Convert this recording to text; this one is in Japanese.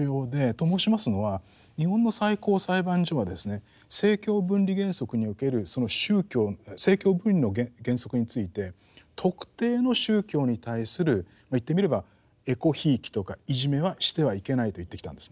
と申しますのは日本の最高裁判所は政教分離原則におけるその宗教政教分離の原則について特定の宗教に対する言ってみればえこひいきとかいじめはしてはいけないと言ってきたんですね。